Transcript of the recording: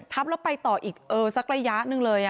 แล้วไปต่ออีกสักระยะหนึ่งเลย